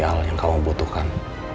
apa yang kamu butuhkan